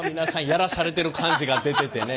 やらされてる感じが出ててね